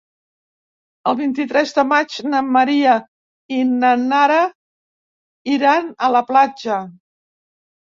El vint-i-tres de maig na Maria i na Nara iran a la platja.